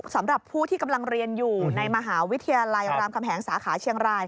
สำหรับผู้ที่กำลังเรียนอยู่ในมหาวิทยาลัยรามคำแหงสาขาเชียงราย